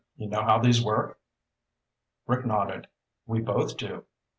"You know how these work?" Rick nodded. "We both do."